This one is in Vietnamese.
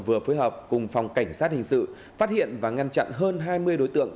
vừa phối hợp cùng phòng cảnh sát hình sự phát hiện và ngăn chặn hơn hai mươi đối tượng